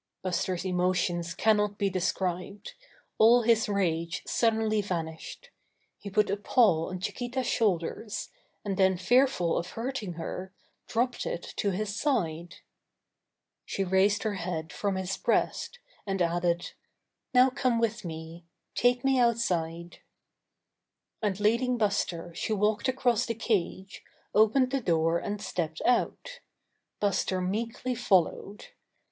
Buster's emotions cannot be described. All his rage suddenly vanished. He put a paw on Chiquita's shoulders, and then fearful of hurting her, dropped it to his side. She raised her head from his breast, and added: "Now come with me. Take me out side." 77 Buster Saves Chiquita And leading Buster she walked across the cage, opened the door and stepped out. Buster meekly followed.